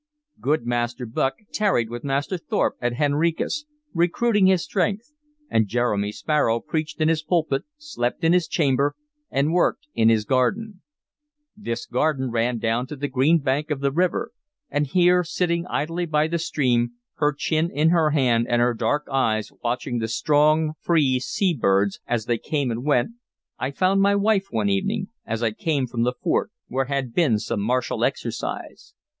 Good Master Bucke tarried with Master Thorpe at Henricus, recruiting his strength, and Jeremy Sparrow preached in his pulpit, slept in his chamber, and worked in his garden. This garden ran down to the green bank of the river; and here, sitting idly by the stream, her chin in her hand and her dark eyes watching the strong, free sea birds as they came and went, I found my wife one evening, as I came from the fort, where had been some martial exercise.